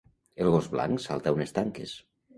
El gos blanc salta unes tanques.